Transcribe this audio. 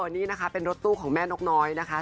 นี่นะคะเป็นรถตู้ของแม่นกน้อยนะคะ